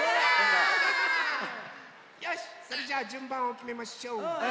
よしそれじゃじゅんばんをきめましょう。